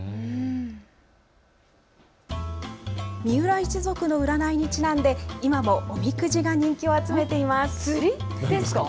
三浦一族の占いにちなんで今もおみくじが人気を集めています。